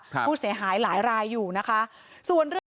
ผู้เสียหายหลายรายอยู่นะคะส่วนเรื่อง